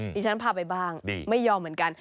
ดิฉันพาไปบ้างไม่ยอมเหมือนกัน